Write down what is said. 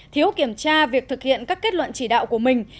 thiếu kiểm tra việc thực hiện các kết luận chỉ đạo của mình